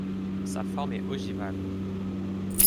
Sa forme est ogivale.